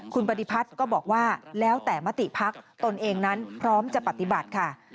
คุณปฏิพัฒน์ก็บอกว่าแล้วแต่มติพักตนเองนั้นพร้อมจะปฏิบัติค่ะ